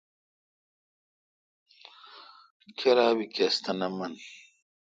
کیراب بی کس تھ نہ من۔